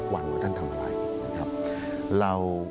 ว่าท่านทำอะไร